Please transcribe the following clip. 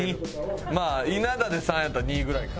まあ稲田で３やったら２ぐらいか。